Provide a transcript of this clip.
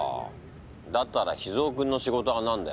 だったら脾ぞうくんの仕事は何だよ？